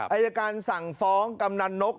อายการสั่งฟ้องกำนันนก